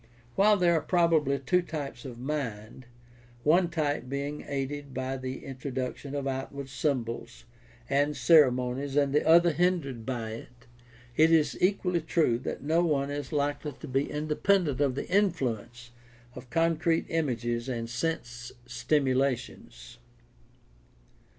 While there are probably two types of mind, one type being aided by the introduction of outward symbols and ceremonies and the other hindered by it, it is equally true that no one is likely to be independent of the influence of con crete images and sense stimulations.